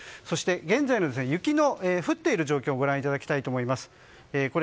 そして、現在の雪の降っている状況をご覧いただきたいと思います。